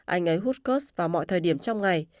anh ấy hút kurs vào mọi thời điểm trong ngày